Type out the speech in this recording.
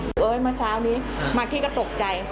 เอ้ยเมื่อเช้านี้มากี้ก็ตกใจ